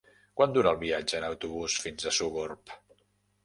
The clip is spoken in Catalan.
Quant dura el viatge en autobús fins a Sogorb?